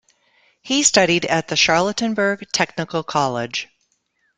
He studied at the Charlottenburg technical college.